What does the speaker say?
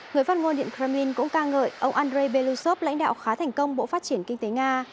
người phát ngôn điện kremlin cũng ca ngợi ông andrei belousov lãnh đạo khá thành công bộ phát triển kinh tế nga